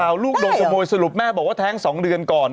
ลูกโดนขโมยสรุปแม่บอกว่าแท้ง๒เดือนก่อน